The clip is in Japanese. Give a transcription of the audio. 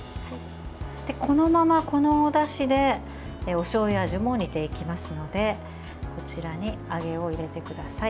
このまま、このおだしでおしょうゆ味も煮ていきますのでこちらに揚げを入れてください。